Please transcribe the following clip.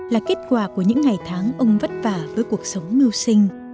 là kết quả của những ngày tháng ông vất vả với cuộc sống mưu sinh